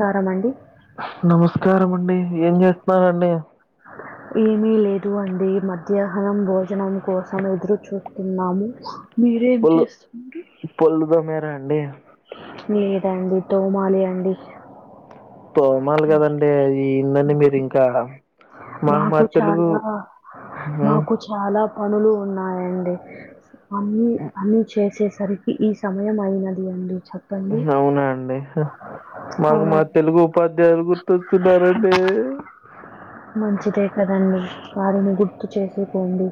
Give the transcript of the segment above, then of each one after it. వారం అండి నమస్కారం అండి ఏం చేస్తున్నారండి ఏమీ లేదు అండి మధ్యాహ్నం భోజనం కోసం ఎదురు చూ తిన్నాము మీరేం చేస్తున్నారు పొళ్ళు తొమేర అండి లేదండీ తొమాలి అండి తోమాలి కదండి ఈ ఉండడి మీరు ఇంకా మాకు మా తెలుగు మాకు చాలా పనులు ఉన్నాయండి అన్నీ అన్నీ చేసేసరి ఈ సమయం అయినది అండి చెప్పండి అవునా అండి మాకు అవునా మా తెలుగు ఉపాధ్యాయులు గుర్తొస్తున్నారండి మంచిదే కదండి వారిని గుర్తు చేసుకోండి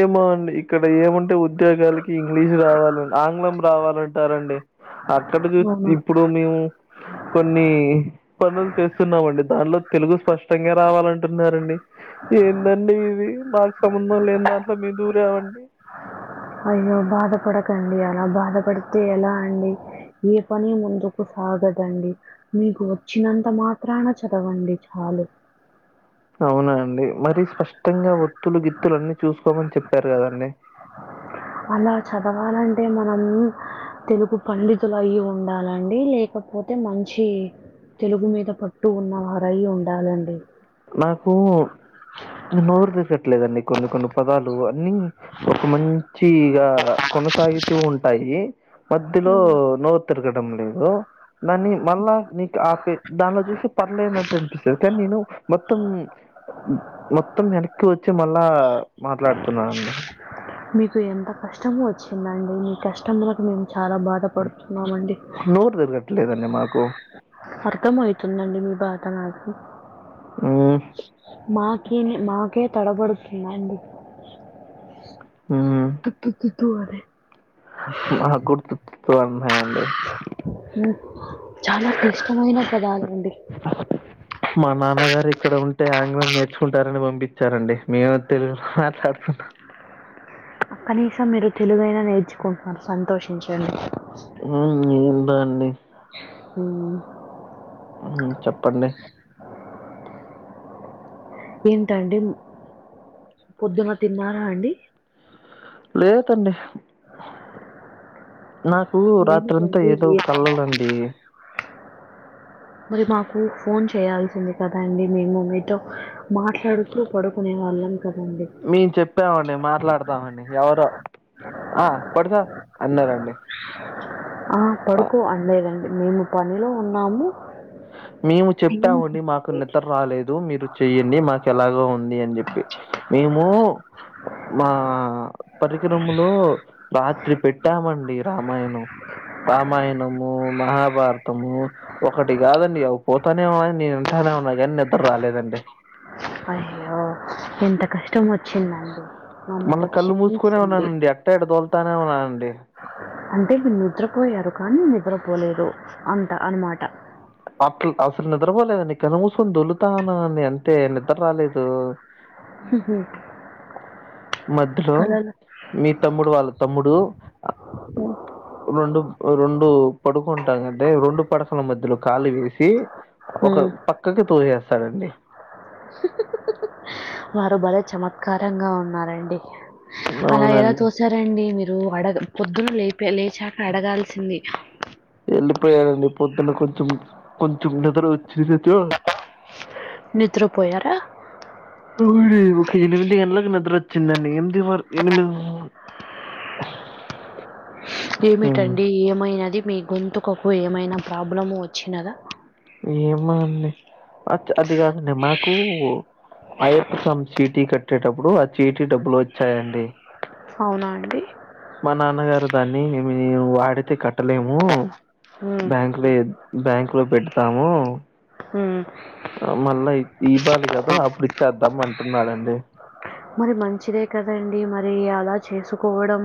ఏమో అండి ఇక్కడ ఏమంటే ఉద్యోగాలకి ఇంగ్లీష్ రావాల ఆంగ్లం రావాలంటారండి అక్కడ చూ అవునా ఇప్పుడు మేము కొన్ని పనులు చేస్తున్నామండి దాంట్లో తెలుగు స్పష్టంగా రావాలంటున్నారండి ఏందండి ఇది మాకు సంబంధం లేనిదాంట్లో మేం దూరేవండి అయ్యో బాధపడకండి అలా బాధపడితే ఎలా అండి ఏ పని ముందుకు సాగదండి మీకు వచ్చినంత మాత్రాన చదవండి చాలు అవునా అండి మరి స్పష్టంగా ఒత్తులు గిత్తులు అన్నీ చూసుకోమని చెప్పారు కదండి అలా చదవాలంటే మనం తెలుగు పండితులు అయ్యి ఉండాలండి లేకపోతే మంచి తెలుగు మీద పట్టు ఉన్న వారై ఉండాలండి నాకు నోరు తీర్గట్లేదండి కొన్ని కొన్ని పదాలు అన్ని ఒక మంచిగా కొనసాగుతూ ఉంటాయి మధ్యలో నో తిరగడం లేదు దాన్ని మళ్ళా నీకు ఆపే దానిలో చూస్తే పర్లే అన్నట్టు అనిపిస్తది కానీ నేను మొత్తం మొత్తం ఎనిక్కి వచ్చి మళ్ళా మాట్లాడు మీకు ఎంత కష్టము వచ్చిందండి మీ కష్టములకు మేము చాలా బాధపడుతున్నామండి నోరు తిరగట్లేదండి మాకు అర్థం అయితుందండి మీ బాధ నాకు ఉమ్ మాకేమీ మాకే తడపడుతున్నా అండి ఉమ్ తు తు తూ అని మాకు తు తు తు అన్నాయండి ఉ చాలా క్లిష్టమైన పదాలండి మా నాన్నగారు ఇక్కడ ఉంటే ఆంగ్లం నేర్చుకుంటారని పంపి అండి మేము తెలుగు మాట్లాడుతున్నా కనీసం మీరు తెలుగైనా నేర్చుకుంటున్నారు సంతోషించండి ఉమ్ ఏందో అండి ఉమ్ చెప్పండి ఏంటండి పొద్దున తిన్నారా అండి లేదండి నాకు రాత్రంతా ఏమిటండి ఏదో ఏమైంది? కళలండి మరి మాకు ఫోన్ చేయాల్సింది కదా అండి మే మమీతో మాట్లాడుతూ పడుకునే వాళ్ళం కదండి మేం చెప్పామండి మాట్లాడతామని ఎవరో ఆ పడుకో అన్నారండి ఆ పడుకో అన్లేదండి మేము పనిలో ఉన్నాము మేము ఏం చెప్పామండి మాకు చెప్పండి. నిద్ర రాలేదు మీరు చెయ్యడి మాకు ఎలాగో ఉన్ ఉంది అని చెప్పి మేము మా పరికరములో రాత్రి పెట్టామండి రామాయణం రామాయణము, మహాభారతము ఒకటి కాదన్ డి పోతానే ఏమో నేను వింటానే ఉన్నా కాని నిద్ర రాలేదండి అయ్యో ఎంత కష్టం వచ్చిందండి మళ్ళా మమ్మల్ని కళ్ళు మూసుకునే క్షమించండి ఉన్నానండి ఎట్ట ఇట్ట దొలుతానే ఉన్నానండి అంటే మీరు నిద్రపోయారు కానీ నిద్రపోలేదు అంట అనమాట అట్లు అసలు నిద్రపోలేదండి కళ్లు మూసుకొని దొల్లుతా ఉన్నాను అండి అంతే నిద్ర రాలేదు ఉహు మధ్యలో మీ తమ్ముడు వాళ్ళ తమ్ముడు ఆ రెండు రెండు పడుకుంటాం గదే రెండు పడకల మధ్యలో కాలు ఏసి హ్మ్. ఒకరు పక్కకి తో చేస్తారండి వారు బలే చమత్కారంగా ఉన్నారండి అలా ఎలా అవునండి తోసారండి మీరు అడగ పొద్దున లేపే లేచాక అడగాల్సింది వెళ్ళిపోయాడండి పొద్దున్న కొంచం కొంచం నిద్ర వచ్చినచో నిద్రపోయారా ఒక ఎనిమిది గంటలకు నిద్ర వచ్చిందండి ఎనిమిది వక్ ఎనిమి హ్మ్ ఏమిటండి ఏమైనది మీ గొంతుకకు ఏమైనా ప్రాబ్లము వచ్చినదా ఏమ అండి అచ అది కాదండి మాకు అయ్యప్ప స్వామి చీటీ కట్టేటప్పుడు ఆ చీటీ డబ్బులు వచ్చాయండి అవునా అండి మా నాన్నగారు దాన్ని వి వాడితే కట్టలేము హ్మ్. బ్యాంక్ క్లెడ్ బ్యాంక్ లో పెడతాము ఉ ఆ మళ్ళా దీపాళి కదా అప్పుడు ఇచ్చేద్దాం అంటున్నాడండి మరి మంచిదే కదండి మరి అలా చేసుకోవడం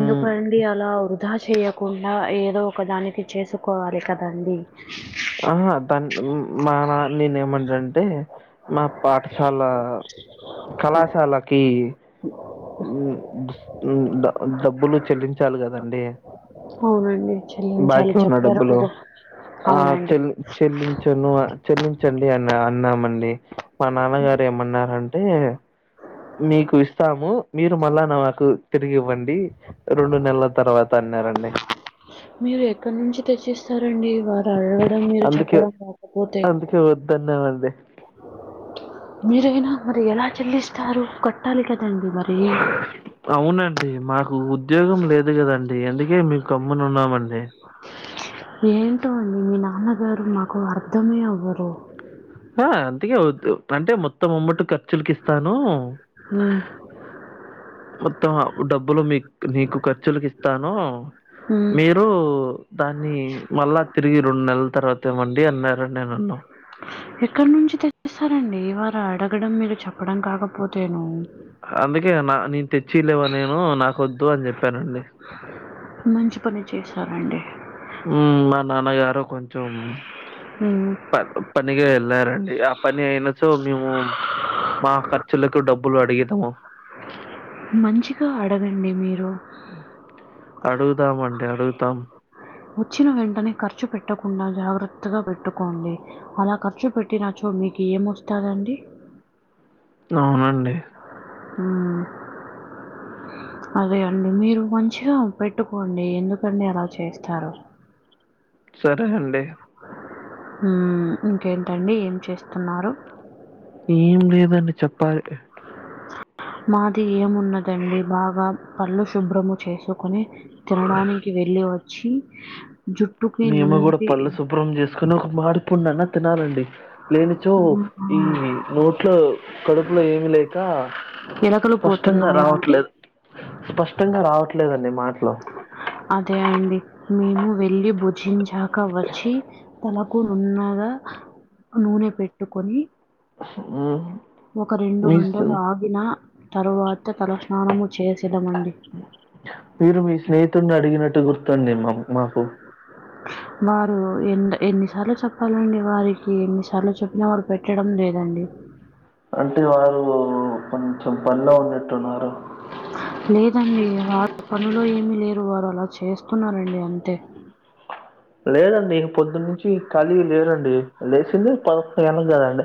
ఎందుకన్ అది అలా వృధా చెయ్యకుండా ఏదో ఒకదానికి చేసుకోవాలి కదండి ఆహా తన్ మా నా నేను ఏమంట అంటే మా పాఠశాల కళాశాలకి ఉ ఉ డ డబ్బులు చెల్లించాలి కదండి అవునండి చెల్లి చాలు బాకీ ఉన్న చెప్పారు డబ్బులు గద ఆ! అవునండి చెల్లి చెల్లించను చెల్లించండి అనా అన్నామండి మా నాన్నగారు ఏమన్నారంటే మీకు ఇస్తాము మీరు మళ్ళా నాకు తిరిగి ఇవ్వండి రెండు నెల్ల తర్వాత అన్నారండి మీరు ఎక్కడి నుంచి తెచ్చిస్తారండి వారు అడగడం మీరు చెప్పడం లేకపోతే ధన్యాలండీ మీరైనా మరి ఎలా చెల్లిస్తారు కట్టాలి కదండి మరి అవునండి మాకు ఉద్యోగం లేదు కదండి అందుకే మేం గమ్మున ఉన్నామండి ఏంటో అండి మీ నాన్నగారు మాకు అర్ధమే అవ్వరు హా అందికే వద్దు అంటే మొత్తం ఉమ్మట్ ఖర్చులుకి ఇస్తాను హమ్ మొత్తం డబ్బులు మీ నీకు ఖర్చులకు ఇస్తాను హ్మ్. మీర్ రు దాన్ని మళ్ళా తిరిగి రెండు నెలల తర్వాత ఇవ్వండి అన్నారని నేనన్నా ఎక్కడ నుంచి తెచ్చిస్తారండి వారు అడగడం మీరు చెప్పడం కాకపోతేను అందుకే నా నేను తెచ్చిలేవా నేను నాక వద్దు అని చెప్పానండి మంచి పని చేశారండి ఉమ్ మా నాన్నగారు కొంచం మ్ ప పనిగా వెళ్లారండి ఆ పని అయినచో మేము మా ఖర్చులకు డబ్బులు అడిగెదము మంచిగా అడగండి మీరు అడుగుదాం అండి అడుగుతాం వచ్చిన వెంటనే ఖర్చు పెట్టకుండా జాగ్రత్తగా పెట్టుకోండి అలా ఖర్చు పెట్టినచ్చో మీకు ఏం వస్తాదండి అవునండి మ్ అదే అండి మీరు మంచిగా పెట్టుకోండి ఎందుకండి అలా చేస్తారు సరే అండి మ్ ఇంకేంటండి ఏం చేస్తున్నారు ఏం లేదండి చెప్పాలి మాది ఏమున్నదండి బాగా పళ్ళు శుభ్రము చేసుకోని తినడానికి వెళ్ళి వచ్చి జుట్ మేము గూడా పళ్ళు శుభ్రం చేసుకోని ఒక మాడిపండు అన్న తినాలండి లేనిచో ఈ నోట్లో కడుపులో ఏమి లేక ఎలకలు స్పష్టంగా పోతున్నాయా అండి రావట్లేదు స్పష్టంగా రావట్లేదండి మాటలో అదే అండి మేము వెళ్ళి భుజించాక వచ్చి తలకు నున్నగా నూనె పెట్టుకొని మ్ ఒక రెండు గంటలు ఆగిన తరువాత తలస్నానము చేసేదమండి మీరు మీ స్నేహితుడిని అడిగినట్టు గుర్తుండి మమ్ మాకు వారు ఎ ఎన్నిసార్లు చెప్పాలండి వారికి ఎన్నిసార్లు చెప్పిన వారు పెట్టడం లేదండి అంటే వారు కొంచెం పనిలో ఉన్నట్టున్నారు లేదండి వారు పనులో ఏమిలేరు వారు అలా చేస్తున్నారండి అంతే లేదండి పొద్దున్నుంచి ఖాళీ లేదండి లేసింది పదకొండు గంటలకి కదండి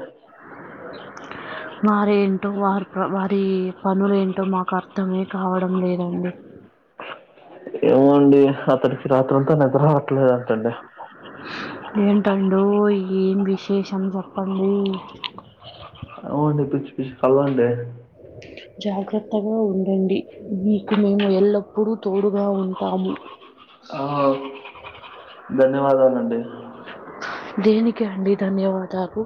[inaudible] వారేంటో వారి వారి పనులు ఏంటో మాకు అర్థమే కావడం లేదండి ఏమో అండి అతడినికి రాత్రంతా నిద్ర రావట్లేదంటండి ఏంటడోమ్ ఏం విశేషం చెప్పండి అవు అండి పిచ్చి పిచ్చి కలలండి జాగ్రత్తగా ఉండండి మీకు మేము ఎల్లప్పుడూ తోడుగా ఉంటాము ఆ అవును ధన్యవాదాలండి దేనికి అండి ధన్యవాదాలు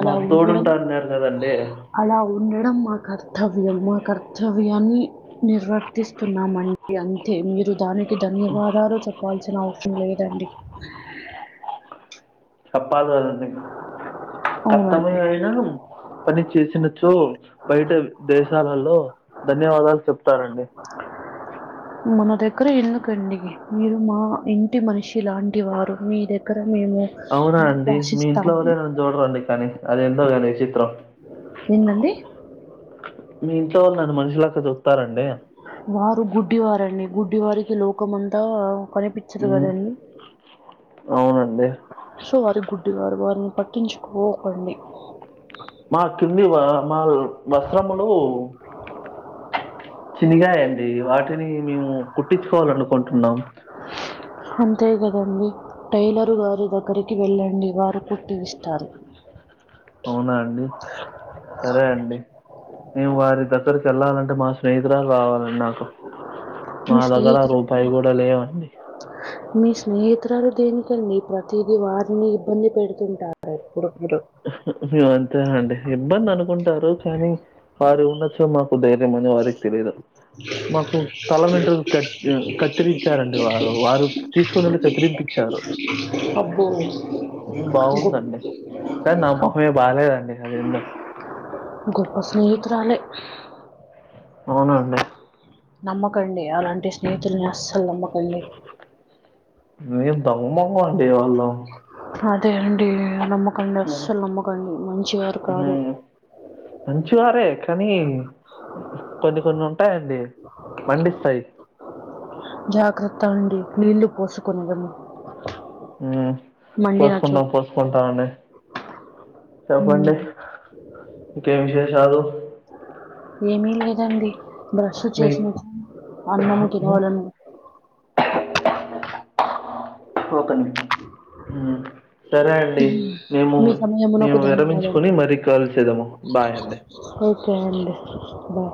అలా మాకు ఉండడం తోడుంటా అన్నారు కదండి అలా ఉండడం మా కర్తవ్యం మా కర్తవ్యాన్ని నిర్వర్తిస్తున్నామండి అంతే మీరు దానికి ధన్యవాదాలు చెప్పాల్సిన అవసరం లేదండి చెప్పాలి కదండి కర్తమే అవునండి. అయిన పని చేసినచో బయట దేశాలలో ధన్యవాదాలు చెప్తారండి మన దగ్గర ఎందుకండి మీరు మా ఇంటి మనిషి లాంటి ఇటి వారు మీ దగ్గర మేము అవునా ఆశిస్తాము అది ఏంటో గాని విచిత్రం ఏంటండి మీ ఇంట్లో వాళ్ళు నన్ను మనిషి లెక్క చూస్తారా అండి వారు గుడ్డి వారండి గుడ్డి వారికి లోకం అంతా కనిపి చ్చదు మ్మ్ కదండి అవునండి సో వారి గుడ్డి వారు వారిని పట్టించుకోకండి మా కిందివా మాలు వస్త్రములు చినిగాయండి వాటిని మేము కుట్టించుకోవాలనుకుంటున్నాం అంతే కదండి టైలర్ గారి దగ్గరికి వెళ్ళండి వారు కుట్టి విస్తారు అవునా అండి సరే అండి మేము వారి దగ్గరికి వెళ్ళాలంటే మా స్నేహితురాలు రావాలాండి నాకు మా మీ దగ్గర స్నేహితురాలు రూపాయి కూడా లేవండి మీ స్నేహితురాలు దేనికండి ప్రతిది వారిని ఇబ్బంది పెడుతుంటారు [inaudible] హు అంతేనండి ఇబ్బంది అనుకుంటారు కానీ వారు ఉండొచ్చు మా ధైర్యమని వారికి తెలిదు మాకు తల వెంట్రుకలు కత్తిరిచ్చారండి వారు వారు తీసుకుని వెళ్ళి కత్తిరిపిచ్చారు అబ్బో! గొప్ప బాగుందండి సార్ నా మొహం ఏమి బాలేదండి గొప్ప స్నేహితురాలే అవునండి నమ్మకండి అలాంటి స్నేహితుల్ని అస్సలు నమ్మకండి దొంగ మొహం అండి వాళ్ళు అదే అండి నమ్మకండి హ్మ్. అస్సలు నమ్మకండి మంచివారు కాదు హ్మ్. మంచివారే కానీ కొన్ని కొన్ని ఉంటాయండి మండిస్తాయి జాగ్రత్త అండి నీళ్లు పోసుకు [unintelligible] హ్ మండినచో పోసుకుంటాం పోసుకుంటాం అండి చెప్పండి ఉమ్, ఇంకేం విశేషాలు ఏమీ లేదండి బ్రష్ మీ చేసిన అన్నము తినవలను [unintelligible] సరే అండి మేము మీ మేము సమయమునకు ధన్యవాదాలు విరమించుకుని మరీ కాల్ చేద్దాము బాయ్ అండి ఓకే అండి బాయ్